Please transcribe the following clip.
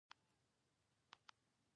ټپي ته باید امید ورکړو.